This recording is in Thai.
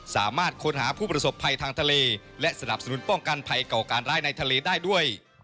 สามารถค้นหาผู้ประสบภัยทางทะเลและสนับสนุนป้องกันภัยเก่าการร้ายในทะเลได้ด้วย